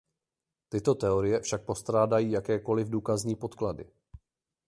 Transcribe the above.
Tyto teorie však postrádají jakékoliv důkazní podklady.